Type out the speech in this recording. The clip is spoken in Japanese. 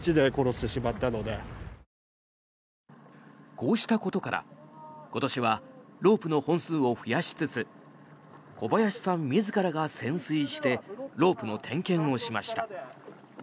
こうしたことから今年はロープの本数を増やしつつ小林さん自らが潜水してロープの点検をしました。